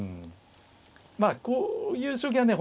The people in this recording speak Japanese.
まあこういう将棋はね